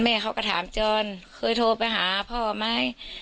เขาก็ถามจรเคยโทรไปหาพ่อไหม